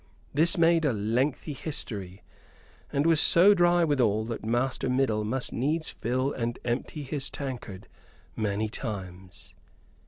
This made a lengthy history, and was so dry withal that Master Middle must needs fill and empty his tankard many times.